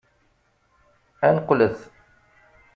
Ad neqqlet!